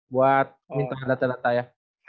buat minta data data ya